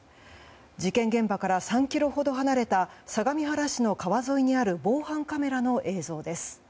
事件現場から３ｋｍほど離れた相模原市の川沿いにある防犯カメラの映像です。